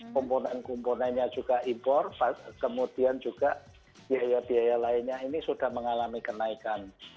komponen komponennya juga impor kemudian juga biaya biaya lainnya ini sudah mengalami kenaikan